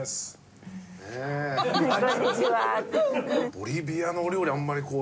ボリビアの料理あんまりこう。